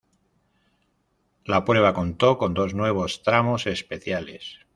La prueba contó con dos nuevos tramos especiales.